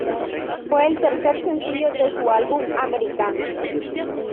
Fue el tercer sencillo de su álbum "Americana".